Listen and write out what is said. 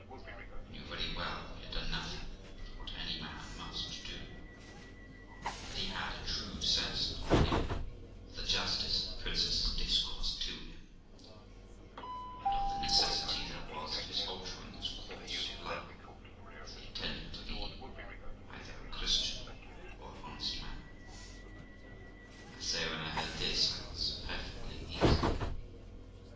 I knew very well he had done nothing but what any man must do, that had a true sense upon him of the justice of the princess's discourse to him, and of the necessity there was of his altering his course of life, if he intended to be either a Christian or an honest man. I say, when I heard this I was perfectly easy.